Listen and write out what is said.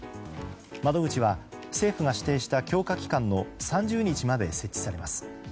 窓口は政府が指定した強化期間の３０日まで設置されます。